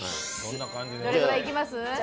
どれぐらいいきます？